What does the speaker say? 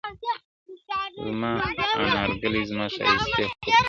زما انارګلي زما ښایستې خورکۍ-